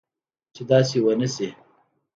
چې داسي و نه شي